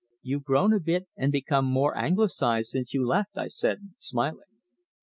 "You've grown a bit, and become more Anglicized since you left," I said, smiling.